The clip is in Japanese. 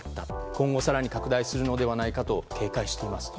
今後更に拡大するのではないかと警戒していますと。